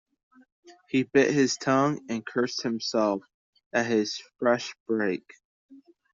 He bit his tongue, and cursed himself at this fresh break.